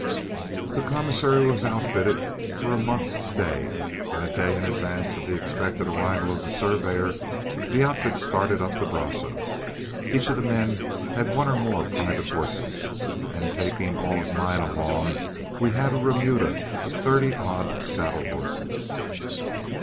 The commissary was outfitted for a month's stay, and a day in advance of the expected arrival of the surveyor the outfit was started up the Brazos. Each of the men had one or more private horses, and taking all of mine along, we had a remuda of thirty odd saddle horses.